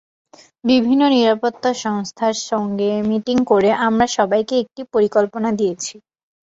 বিভিন্ন নিরাপত্তা সংস্থার সঙ্গে মিটিং করে আমরা সবাইকে একটা পরিকল্পনা দিয়েছি।